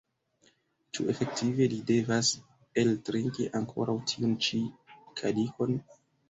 Ĉu efektive li devas eltrinki ankoraŭ tiun ĉi kalikon?